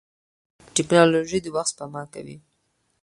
ټیکنالوژي د وخت سپما کوي.